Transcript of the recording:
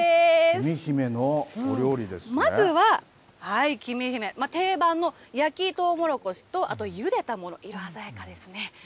きみひめ、まずは定番の焼きとうもろこしと、あとゆでたもの、色鮮やかですね。